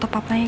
gak ada gini